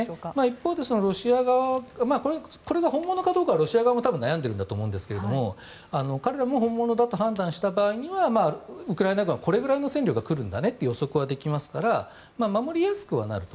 一方でロシア側これが本物かどうかはロシア側も悩んでいるんだと思いますが彼らも本物だと判断した場合にはウクライナ軍はこれだけの戦力が来るんだねと予測ができますから守りやすくはなりと。